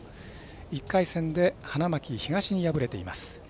１回戦で花巻東に敗れています。